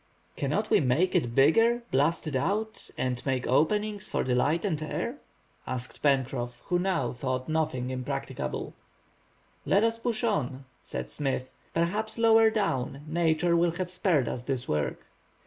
"Cannot we make it bigger, blast it out, and make openings for the light and air?" answered Pencroff, who now thought nothing impracticable. "Let us push on," said Smith. "Perhaps lower down, nature will have spared us this work."